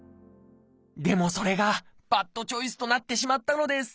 でもそれがバッドチョイスとなってしまったのです